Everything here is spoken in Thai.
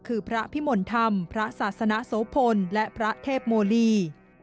คือพระพิมลธรรมพระศาสนโสพลและพระเทพโมลี